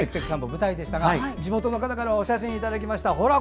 舞台でしたが地元の方からお写真いただきました。